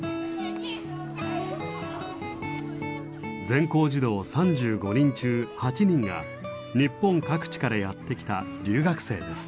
全校児童３５人中８人が日本各地からやって来た留学生です。